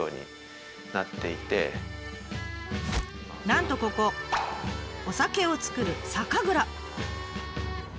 なんとここお酒を造る酒蔵。